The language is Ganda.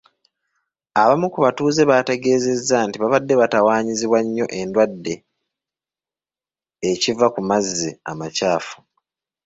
Abamu ku batuuze baategeezezza nti babadde batawanyizibwa nnyo endwadde ekiva ku mazzi amakyaffu.